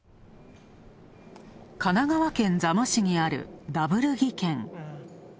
神奈川県・座間市にあるダブル技研。